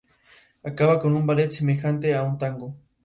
La primera sustancia se enfría y se condensa de nuevo en el frasco.